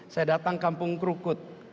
saya datang kampung krukut